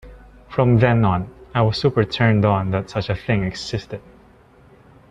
From then on, I was super turned-on that such a thing existed.